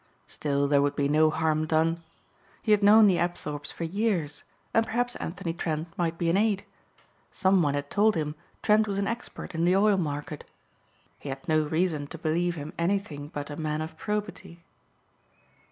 Still there would be no harm done. He had known the Apthorpes for years and perhaps Anthony Trent might be an aid. Some one had told him Trent was an expert in the oil market. He had no reason to believe him anything but a man of probity.